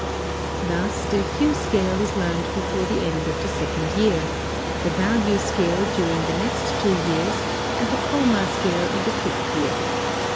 Thus the Hue scale is learned before the end of the second year, the Value scale during the next two years, and the Chroma scale in the fifth year.